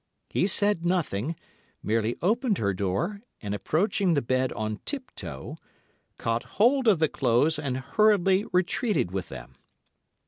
He said nothing, merely opened her door, and, approaching the bed on tip toe, caught hold of the clothes and hurriedly retreated with them.